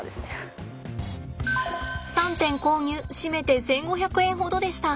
３点購入締めて１，５００円ほどでした。